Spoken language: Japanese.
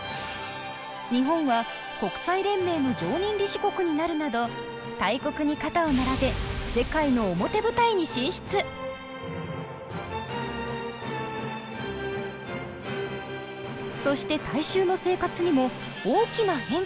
日本は国際連盟の常任理事国になるなど大国に肩を並べそして大衆の生活にも大きな変化が！